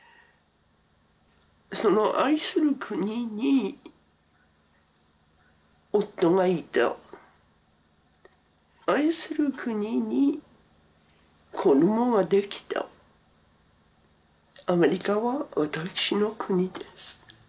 その愛する国に夫がいた愛する国に子どもができたアメリカは私の国です